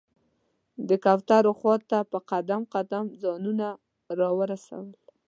د کوترو خواته په قدم قدم ځانونه راورسول.